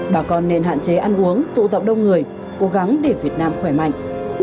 bà con nên hạn chế ăn uống tụ tập đông người cố gắng để việt nam khỏe mạnh